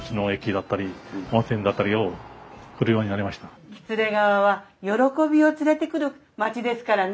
いや喜連川は喜びを連れてくる町ですからね。